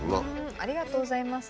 ありがとうございます。